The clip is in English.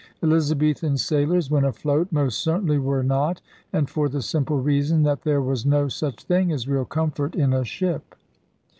Elizabethan sailors, when afloat, most certainly were not; and for the simple rea son that there was no such thing as real comfort in a ship.